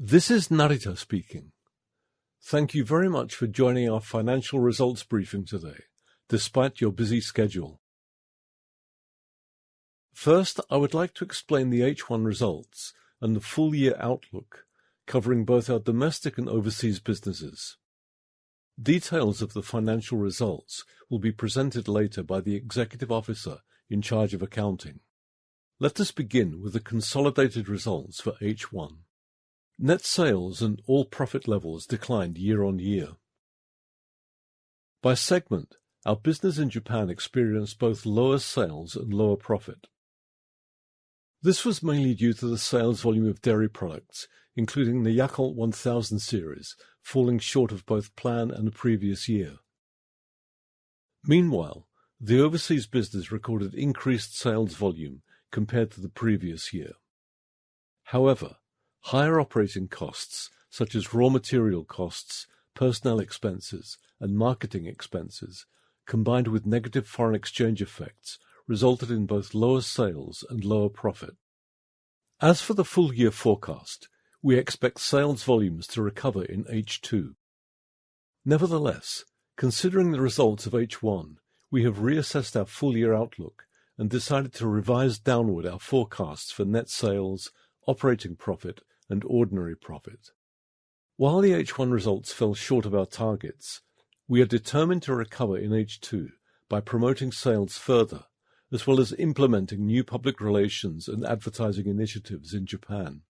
This is Narita speaking. Thank you very much for joining our financial results briefing today, despite your busy schedule. First, I would like to explain the H1 results and the full-year outlook, covering both our domestic and overseas businesses. Details of the financial results will be presented later by the Executive Officer in charge of accounting. Let us begin with the consolidated results for H1. Net sales and all profit levels declined year-on-year. By segment, our business in Japan experienced both lower sales and lower profit. This was mainly due to the sales volume of dairy products, including the Yakult 1000 series, falling short of both planned and the previous year. Meanwhile, the overseas business recorded increased sales volume compared to the previous year. However, higher operating costs, such as raw material costs, personnel expenses, and marketing expenses, combined with negative foreign exchange effects, resulted in both lower sales and lower profit. As for the full-year forecast, we expect sales volumes to recover in H2. Nevertheless, considering the results of H1, we have reassessed our full-year outlook and decided to revise downward our forecasts for net sales, operating profit, and ordinary profit. While the H1 results fell short of our targets, we are determined to recover in H2 by promoting sales further, as well as implementing new public relations and advertising initiatives in Japan.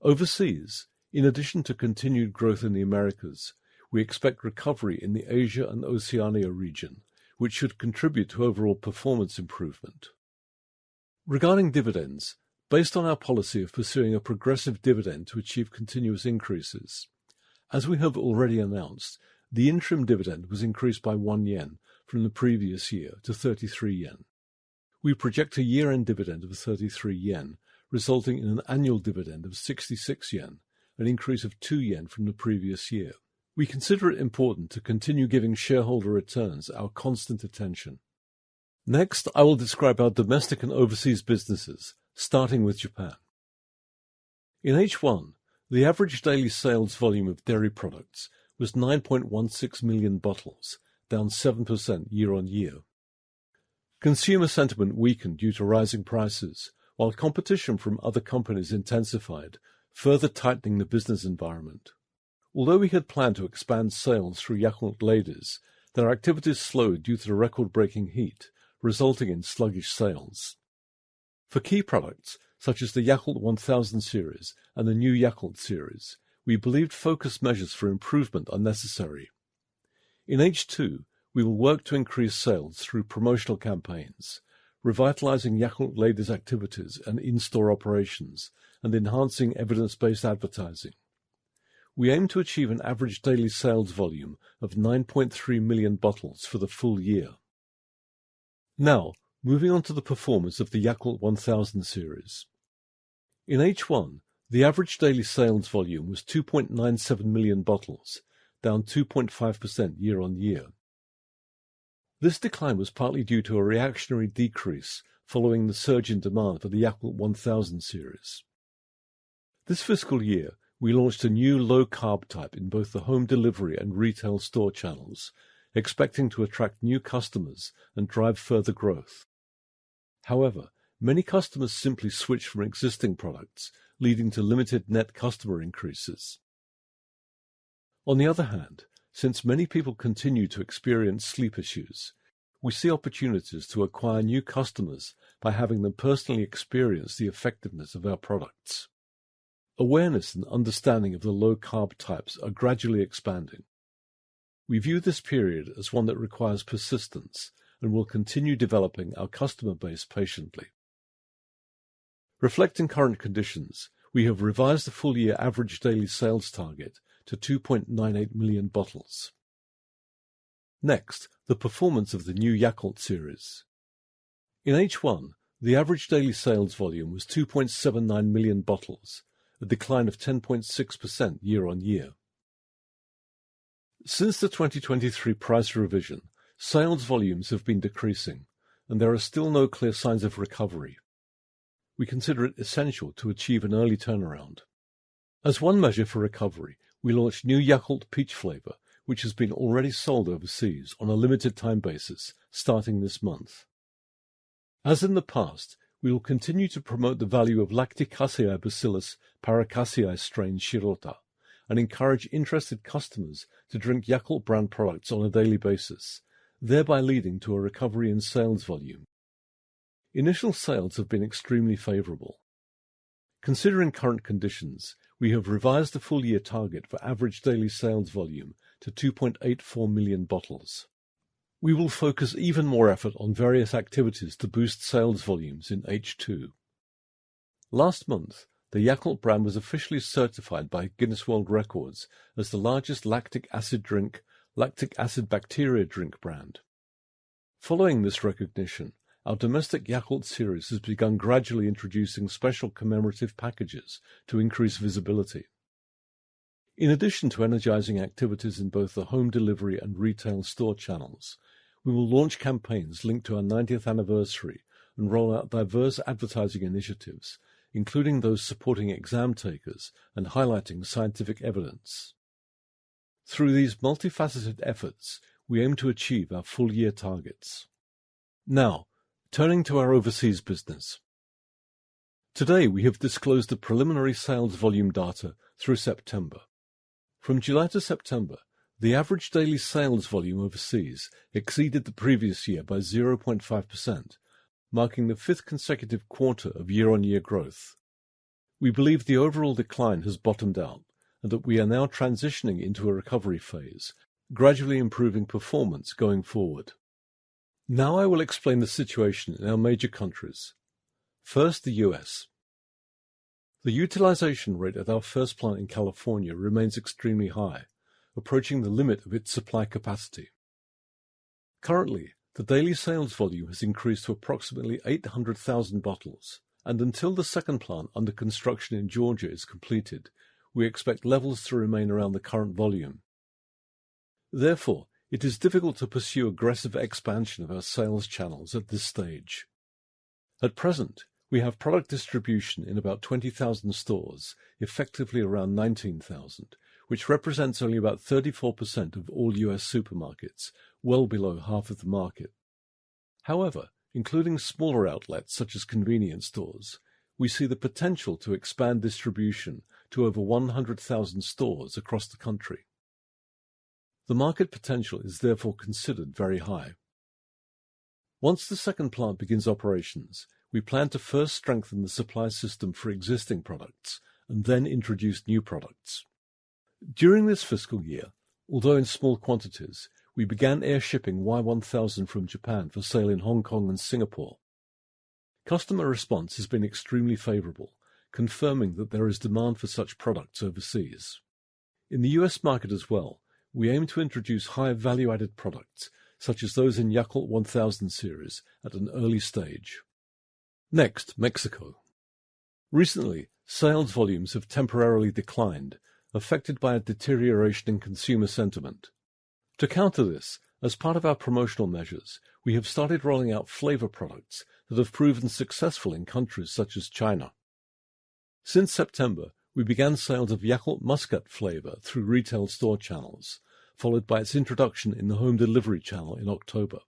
Overseas, in addition to continued growth in the Americas, we expect recovery in the Asia and Oceania region, which should contribute to overall performance improvement. Regarding dividends, based on our policy of pursuing a progressive dividend to achieve continuous increases. As we have already announced, the interim dividend was increased by 1 yen from the previous year to 33 yen. We project a year-end dividend of 33 yen, resulting in an annual dividend of 66 yen, an increase of 2 yen from the previous year. We consider it important to continue giving shareholder returns our constant attention. Next, I will describe our domestic and overseas businesses, starting with Japan. In H1, the average daily sales volume of dairy products was 9.16 million bottles, down 7% year on year. Consumer sentiment weakened due to rising prices, while competition from other companies intensified, further tightening the business environment. Although we had planned to expand sales through Yakult Ladies, their activities slowed due to the record-breaking heat, resulting in sluggish sales. For key products, such as the Yakult 1000 series and the New Yakult series, we believed focus measures for improvement are necessary. In H2, we will work to increase sales through promotional campaigns, revitalizing Yakult Ladies' activities and in-store operations, and enhancing evidence-based advertising. We aim to achieve an average daily sales volume of 9.3 million bottles for the full year. Now, moving on to the performance of the Yakult 1000 series. In H1, the average daily sales volume was 2.97 million bottles, down 2.5% year on year. This decline was partly due to a reactionary decrease following the surge in demand for the Yakult 1000 series. This fiscal year, we launched a new low-carb type in both the home delivery and retail store channels, expecting to attract new customers and drive further growth. However, many customers simply switched from existing products, leading to limited net customer increases. On the other hand, since many people continue to experience sleep issues, we see opportunities to acquire new customers by having them personally experience the effectiveness of our products. Awareness and understanding of the low-carb types are gradually expanding. We view this period as one that requires persistence and will continue developing our customer base patiently. Reflecting current conditions, we have revised the full-year average daily sales target to 2.98 million bottles. Next, the performance of the New Yakult series. In H1, the average daily sales volume was 2.79 million bottles, a decline of 10.6% year on year. Since the 2023 price revision, sales volumes have been decreasing, and there are still no clear signs of recovery. We consider it essential to achieve an early turnaround. As one measure for recovery, we launched New Yakult Peach Flavor, which has been already sold overseas on a limited-time basis starting this month. As in the past, we will continue to promote the value of Lacticaseibacillus paracasei strain Shirota and encourage interested customers to drink Yakult brand products on a daily basis, thereby leading to a recovery in sales volume. Initial sales have been extremely favorable. Considering current conditions, we have revised the full-year target for average daily sales volume to 2.84 million bottles. We will focus even more effort on various activities to boost sales volumes in H2. Last month, the Yakult brand was officially certified by Guinness World Records as the largest lactic acid drink, lactic acid bacteria drink brand. Following this recognition, our domestic Yakult series has begun gradually introducing special commemorative packages to increase visibility. In addition to energizing activities in both the home delivery and retail store channels, we will launch campaigns linked to our 90th anniversary and roll out diverse advertising initiatives, including those supporting exam takers and highlighting scientific evidence. Through these multifaceted efforts, we aim to achieve our full-year targets. Now, turning to our overseas business. Today, we have disclosed the preliminary sales volume data through September. From July to September, the average daily sales volume overseas exceeded the previous year by 0.5%, marking the fifth consecutive quarter of year-on-year growth. We believe the overall decline has bottomed out and that we are now transitioning into a recovery phase, gradually improving performance going forward. Now I will explain the situation in our major countries. First, the U.S. The utilization rate at our first plant in California remains extremely high, approaching the limit of its supply capacity. Currently, the daily sales volume has increased to approximately 800,000 bottles, and until the second plant under construction in Georgia is completed, we expect levels to remain around the current volume. Therefore, it is difficult to pursue aggressive expansion of our sales channels at this stage. At present, we have product distribution in about 20,000 stores, effectively around 19,000, which represents only about 34% of all U.S. supermarkets, well below half of the market. However, including smaller outlets such as convenience stores, we see the potential to expand distribution to over 100,000 stores across the country. The market potential is therefore considered very high. Once the second plant begins operations, we plan to first strengthen the supply system for existing products and then introduce new products. During this fiscal year, although in small quantities, we began airshipping Y1000 from Japan for sale in Hong Kong and Singapore. Customer response has been extremely favorable, confirming that there is demand for such products overseas. In the U.S. market as well, we aim to introduce higher value-added products, such as those in Yakult 1000 series, at an early stage. Next, Mexico. Recently, sales volumes have temporarily declined, affected by a deterioration in consumer sentiment. To counter this, as part of our promotional measures, we have started rolling out flavor products that have proven successful in countries such as China. Since September, we began sales of Yakult Muscat Flavor through retail store channels, followed by its introduction in the home delivery channel in October.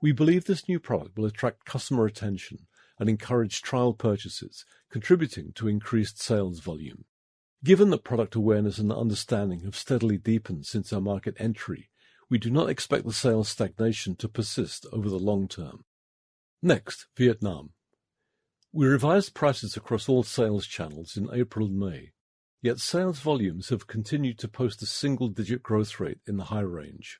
We believe this new product will attract customer attention and encourage trial purchases, contributing to increased sales volume. Given that product awareness and understanding have steadily deepened since our market entry, we do not expect the sales stagnation to persist over the long term. Next, Vietnam. We revised prices across all sales channels in April and May, yet sales volumes have continued to post a single-digit growth rate in the high range.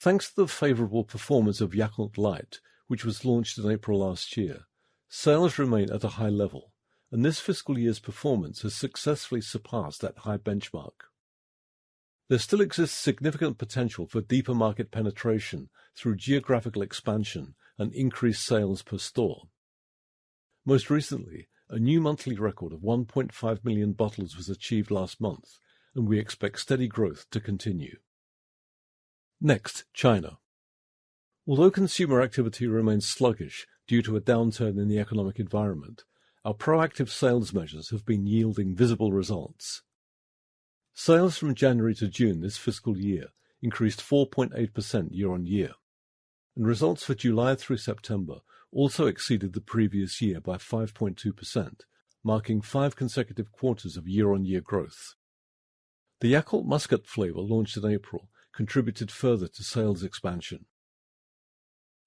Thanks to the favorable performance of Yakult Light, which was launched in April last year, sales remain at a high level, and this fiscal year's performance has successfully surpassed that high benchmark. There still exists significant potential for deeper market penetration through geographical expansion and increased sales per store. Most recently, a new monthly record of 1.5 million bottles was achieved last month, and we expect steady growth to continue. Next, China. Although consumer activity remains sluggish due to a downturn in the economic environment, our proactive sales measures have been yielding visible results. Sales from January to June this fiscal year increased 4.8% year on year, and results for July through September also exceeded the previous year by 5.2%, marking five consecutive quarters of year-on-year growth. The Yakult Muscat Flavor launched in April contributed further to sales expansion.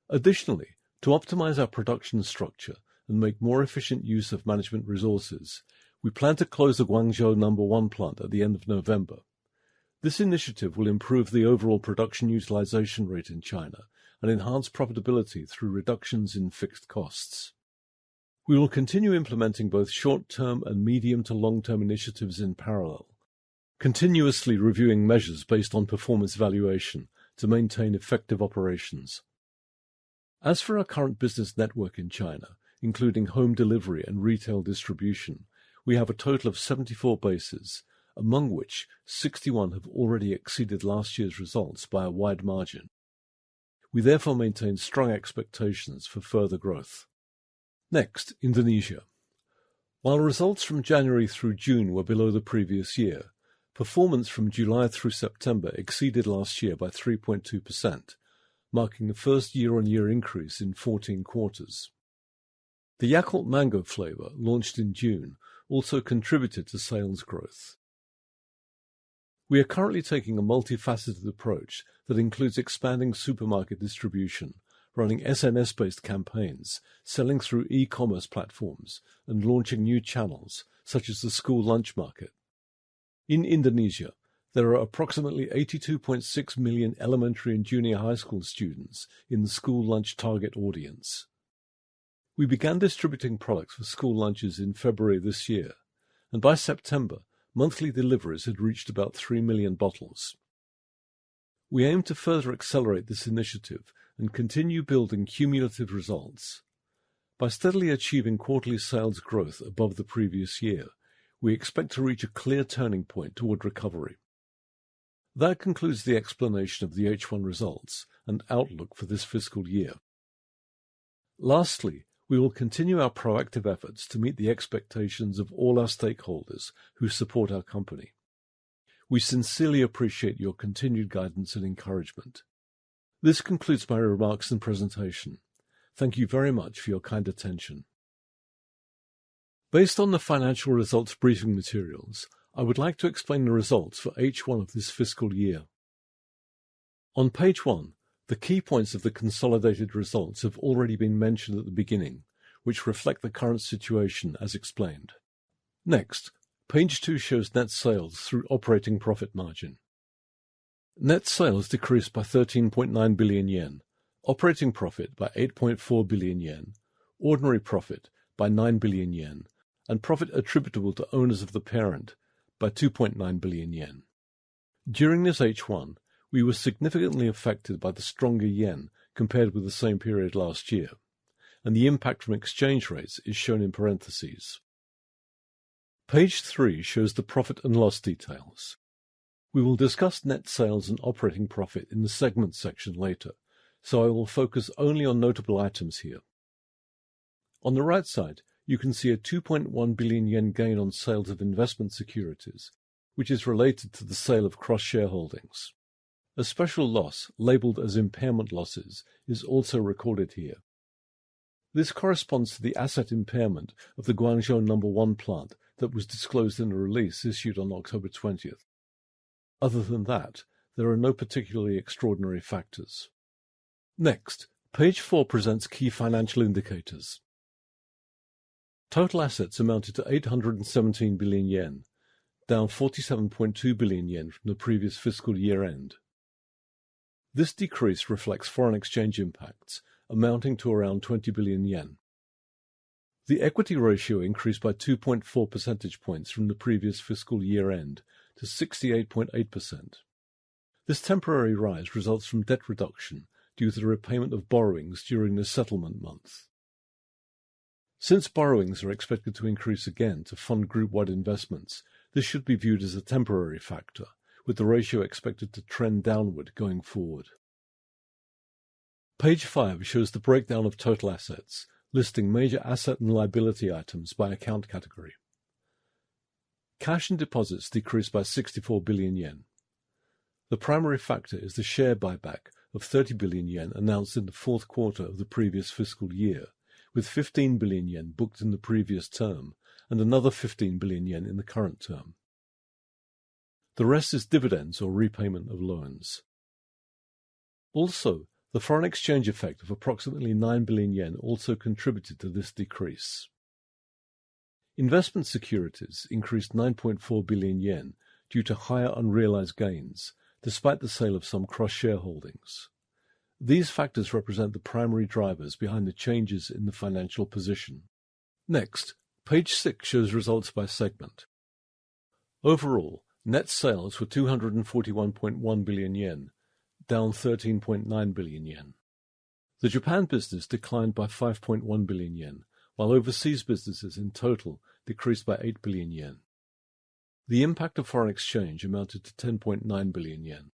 Additionally, to optimize our production structure and make more efficient use of management resources, we plan to close the Guangzhou No. 1 plant at the end of November. This initiative will improve the overall production utilization rate in China and enhance profitability through reductions in fixed costs. We will continue implementing both short-term and medium to long-term initiatives in parallel, continuously reviewing measures based on performance valuation to maintain effective operations. As for our current business network in China, including home delivery and retail distribution, we have a total of 74 bases, among which 61 have already exceeded last year's results by a wide margin. We therefore maintain strong expectations for further growth. Next, Indonesia. While results from January through June were below the previous year, performance from July through September exceeded last year by 3.2%, marking the first year-on-year increase in 14 quarters. The Yakult Mango Flavor, launched in June, also contributed to sales growth. We are currently taking a multifaceted approach that includes expanding supermarket distribution, running SMS-based campaigns, selling through e-commerce platforms, and launching new channels such as the school lunch market. In Indonesia, there are approximately 82.6 million elementary and junior high school students in the school lunch target audience. We began distributing products for school lunches in February this year, and by September, monthly deliveries had reached about 3 million bottles. We aim to further accelerate this initiative and continue building cumulative results. By steadily achieving quarterly sales growth above the previous year, we expect to reach a clear turning point toward recovery. That concludes the explanation of the H1 results and outlook for this fiscal year. Lastly, we will continue our proactive efforts to meet the expectations of all our stakeholders who support our company. We sincerely appreciate your continued guidance and encouragement. This concludes my remarks and presentation. Thank you very much for your kind attention. Based on the financial results briefing materials, I would like to explain the results for H1 of this fiscal year. On page one, the key points of the consolidated results have already been mentioned at the beginning, which reflect the current situation as explained. Next, page two shows net sales through operating profit margin. Net sales decreased by 13.9 billion yen, operating profit by 8.4 billion yen, ordinary profit by 9 billion yen, and profit attributable to owners of the parent by 2.9 billion yen. During this H1, we were significantly affected by the stronger yen compared with the same period last year, and the impact from exchange rates is shown in parentheses. Page three shows the profit and loss details. We will discuss net sales and operating profit in the segment section later, so I will focus only on notable items here. On the right side, you can see a 2.1 billion yen gain on sales of investment securities, which is related to the sale of cross-shareholdings. A special loss labeled as impairment losses is also recorded here. This corresponds to the asset impairment of the Guangzhou No. 1 plant that was disclosed in a release issued on October 20. Other than that, there are no particularly extraordinary factors. Next, page four presents key financial indicators. Total assets amounted to 817 billion yen, down 47.2 billion yen from the previous fiscal year-end. This decrease reflects foreign exchange impacts amounting to around 20 billion yen. The equity ratio increased by 2.4 percentage points from the previous fiscal year-end to 68.8%. This temporary rise results from debt reduction due to the repayment of borrowings during the settlement months. Since borrowings are expected to increase again to fund group-wide investments, this should be viewed as a temporary factor, with the ratio expected to trend downward going forward. Page five shows the breakdown of total assets, listing major asset and liability items by account category. Cash and deposits decreased by 64 billion yen. The primary factor is the share buyback of 30 billion yen announced in the fourth quarter of the previous fiscal year, with 15 billion yen booked in the previous term and another 15 billion yen in the current term. The rest is dividends or repayment of loans. Also, the foreign exchange effect of approximately 9 billion yen also contributed to this decrease. Investment securities increased 9.4 billion yen due to higher unrealized gains, despite the sale of some cross-shareholdings. These factors represent the primary drivers behind the changes in the financial position. Next, page six shows results by segment. Overall, net sales were 241.1 billion yen, down 13.9 billion yen. The Japan business declined by 5.1 billion yen, while overseas businesses in total decreased by 8 billion yen. The impact of foreign exchange amounted to 10.9 billion yen.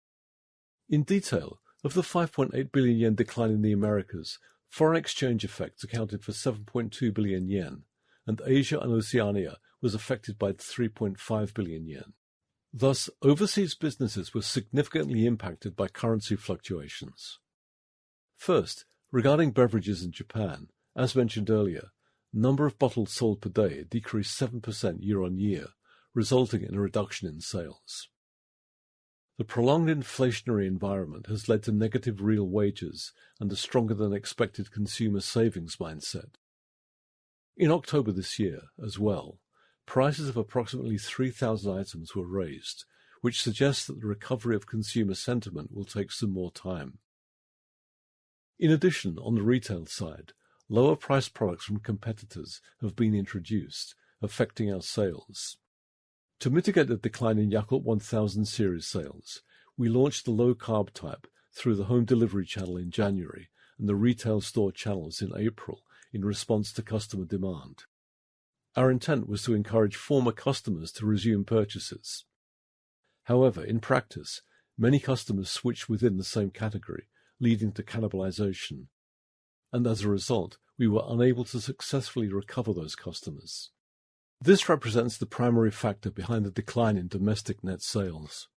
In detail, of the 5.8 billion yen decline in the Americas, foreign exchange effects accounted for 7.2 billion yen, and Asia and Oceania was affected by 3.5 billion yen. Thus, overseas businesses were significantly impacted by currency fluctuations. First, regarding beverages in Japan, as mentioned earlier, the number of bottles sold per day decreased 7% year-on-year, resulting in a reduction in sales. The prolonged inflationary environment has led to negative real wages and a stronger-than-expected consumer savings mindset. In October this year as well, prices of approximately 3,000 items were raised, which suggests that the recovery of consumer sentiment will take some more time. In addition, on the retail side, lower-priced products from competitors have been introduced, affecting our sales. To mitigate the decline in Yakult 1000 series sales, we launched the low-carb type through the home delivery channel in January and the retail store channels in April in response to customer demand. Our intent was to encourage former customers to resume purchases. However, in practice, many customers switched within the same category, leading to cannibalization, and as a result, we were unable to successfully recover those customers. This represents the primary factor behind the decline in domestic net sales.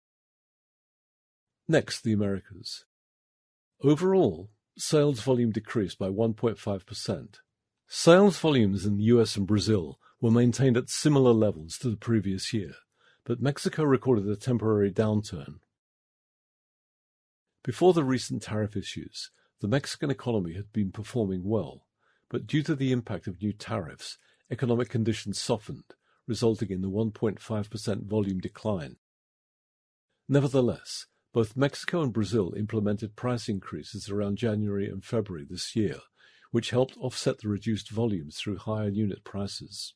Next, the Americas. Overall, sales volume decreased by 1.5%. Sales volumes in the U.S. and Brazil were maintained at similar levels to the previous year, but Mexico recorded a temporary downturn. Before the recent tariff issues, the Mexican economy had been performing well, but due to the impact of new tariffs, economic conditions softened, resulting in the 1.5% volume decline. Nevertheless, both Mexico and Brazil implemented price increases around January and February this year, which helped offset the reduced volumes through higher unit prices.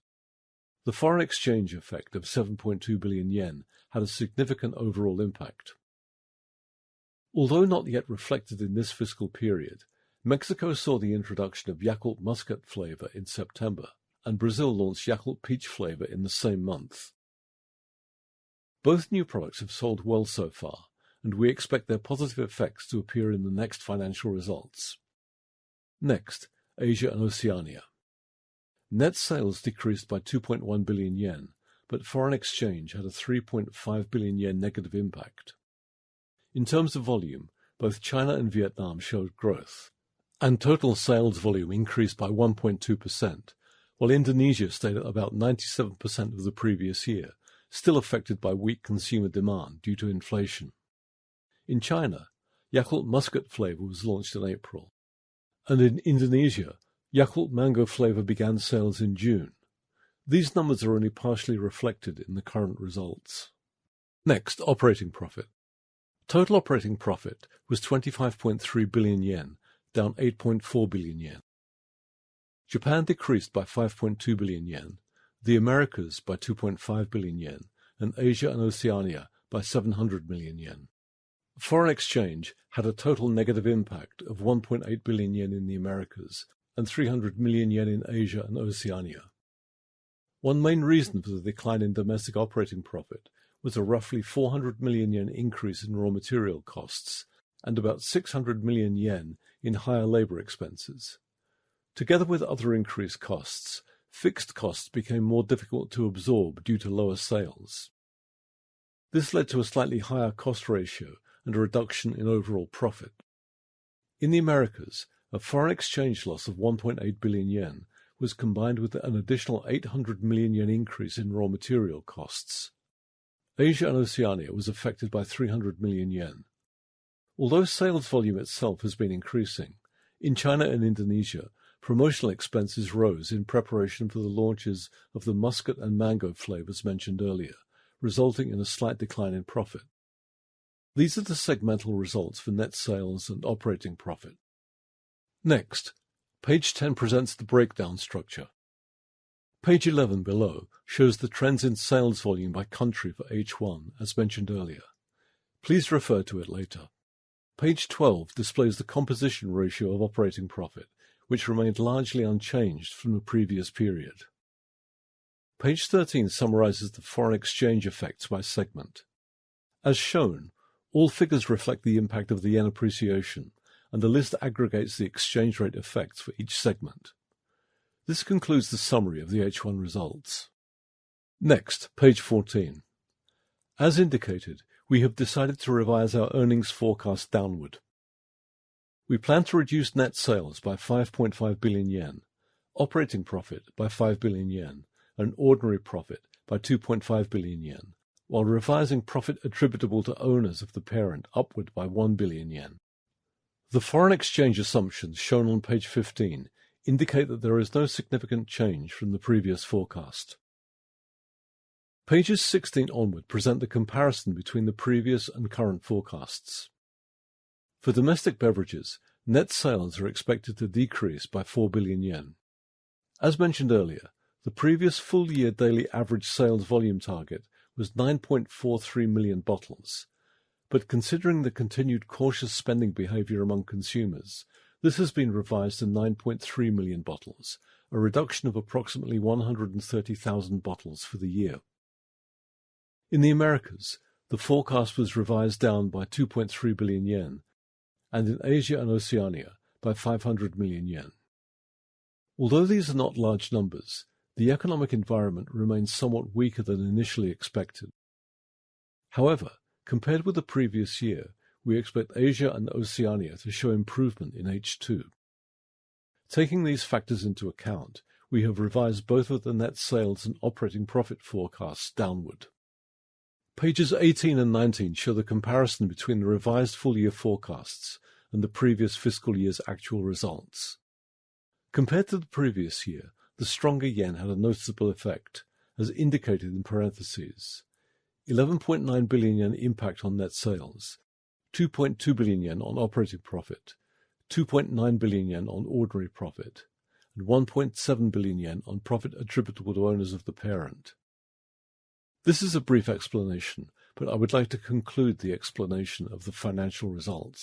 The foreign exchange effect of 7.2 billion yen had a significant overall impact. Although not yet reflected in this fiscal period, Mexico saw the introduction of Yakult Muscat Flavor in September, and Brazil launched Yakult Peach Flavor in the same month. Both new products have sold well so far, and we expect their positive effects to appear in the next financial results. Next, Asia and Oceania. Net sales decreased by 2.1 billion yen, but foreign exchange had a 3.5 billion yen negative impact. In terms of volume, both China and Vietnam showed growth, and total sales volume increased by 1.2%, while Indonesia stayed at about 97% of the previous year, still affected by weak consumer demand due to inflation. In China, Yakult Muscat Flavor was launched in April, and in Indonesia, Yakult Mango Flavor began sales in June. These numbers are only partially reflected in the current results. Next, operating profit. Total operating profit was 25.3 billion yen, down 8.4 billion yen. Japan decreased by 5.2 billion yen, the Americas by 2.5 billion yen, and Asia and Oceania by 700 million yen. Foreign exchange had a total negative impact of 1.8 billion yen in the Americas and 300 million yen in Asia and Oceania. One main reason for the decline in domestic operating profit was a roughly 400 million yen increase in raw material costs and about 600 million yen in higher labor expenses. Together with other increased costs, fixed costs became more difficult to absorb due to lower sales. This led to a slightly higher cost ratio and a reduction in overall profit. In the Americas, a foreign exchange loss of 1.8 billion yen was combined with an additional 800 million yen increase in raw material costs. Asia and Oceania was affected by 300 million yen. Although sales volume itself has been increasing, in China and Indonesia, promotional expenses rose in preparation for the launches of the Muscat and Mango flavors mentioned earlier, resulting in a slight decline in profit. These are the segmental results for net sales and operating profit. Next, page ten presents the breakdown structure. Page eleven below shows the trends in sales volume by country for H1, as mentioned earlier. Please refer to it later. Page twelve displays the composition ratio of operating profit, which remained largely unchanged from the previous period. Page thirteen summarizes the foreign exchange effects by segment. As shown, all figures reflect the impact of the yen appreciation, and the list aggregates the exchange rate effects for each segment. This concludes the summary of the H1 results. Next, page fourteen. As indicated, we have decided to revise our earnings forecast downward. We plan to reduce net sales by 5.5 billion yen, operating profit by 5 billion yen, and ordinary profit by 2.5 billion yen, while revising profit attributable to owners of the parent upward by 1 billion yen. The foreign exchange assumptions shown on page fifteen indicate that there is no significant change from the previous forecast. Pages sixteen onward present the comparison between the previous and current forecasts. For domestic beverages, net sales are expected to decrease by 4 billion yen. As mentioned earlier, the previous full-year daily average sales volume target was 9.43 million bottles, but considering the continued cautious spending behavior among consumers, this has been revised to 9.3 million bottles, a reduction of approximately 130,000 bottles for the year. In the Americas, the forecast was revised down by 2.3 billion yen, and in Asia and Oceania by 500 million yen. Although these are not large numbers, the economic environment remains somewhat weaker than initially expected. However, compared with the previous year, we expect Asia and Oceania to show improvement in H2. Taking these factors into account, we have revised both of the net sales and operating profit forecasts downward. Pages 18 and 19 show the comparison between the revised full-year forecasts and the previous fiscal year's actual results. Compared to the previous year, the stronger yen had a noticeable effect, as indicated in parentheses: 11.9 billion yen impact on net sales, 2.2 billion yen on operating profit, 2.9 billion yen on ordinary profit, and 1.7 billion yen on profit attributable to owners of the parent. This is a brief explanation, but I would like to conclude the explanation of the financial results.